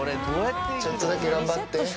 ちょっとだけ頑張って。